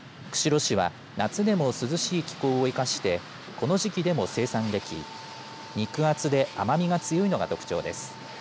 釧路市は夏でも涼しい気候を生かしてこの時期でも生産でき肉厚で甘みが強いのが特徴です。